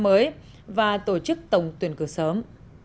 mới và tổ chức tổng tuyển cửa sớm